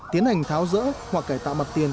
tiến hành tháo giỡn tự nhiên tự nhiên tự nhiên tự nhiên